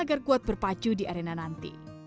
agar kuat berpacu di arena nanti